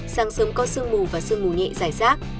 sáng sớm có sương mù và sương mù nhẹ dài rác